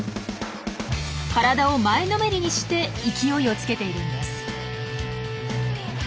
体を前のめりにして勢いをつけているんです。